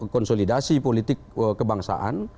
konsolidasi politik kebangsaan